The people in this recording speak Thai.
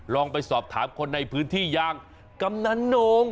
ลองไปสอบถามคนในพื้นที่อย่างกำนันนง